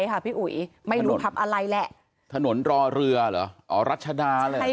ค่ะพี่อุ๋ยไม่รู้ทับอะไรแหละถนนรอเรือเหรออ๋อรัชดาเลย